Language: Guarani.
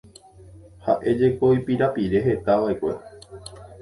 Ha'éjeko ipirapire hetava'ekue.